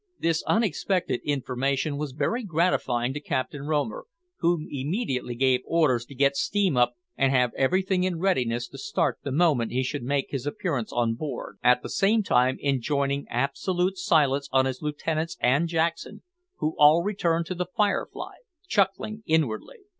This unexpected information was very gratifying to Captain Romer, who immediately gave orders to get steam up and have everything in readiness to start the moment he should make his appearance on board, at the same time enjoining absolute silence on his lieutenants and Jackson, who all returned to the `Firefly,' chuckling inwardly.